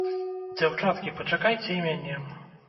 Дзяўчаткі, пачакайце і мяне!